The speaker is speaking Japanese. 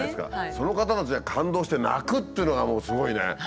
その方たちが感動して泣くっていうのがもうすごいね。